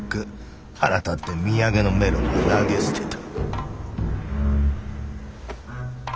腹立って土産のメロンは投げ捨てた」。